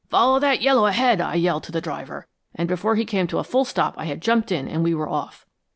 'Follow that Yellow ahead!' I yelled to the driver, and before he came to a full stop I had jumped in and we were off."